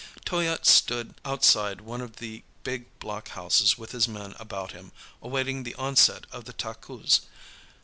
Toyatte stood outside one of the big blockhouses with his men about him, awaiting the onset of the Takus.